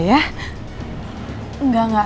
ibu batalin aku